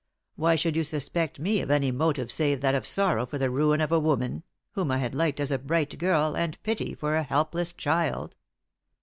Why should you suspect me of any motive save that of sorrow for the ruin of a woman whom I had liked as a bright girl and pity for a helpless child?"